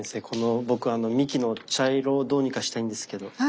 この僕あの幹の茶色をどうにかしたいんですけど。